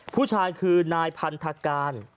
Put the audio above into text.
ผู้ชายคือนายพันธการ